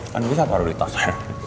kan bisa taruh di tas ya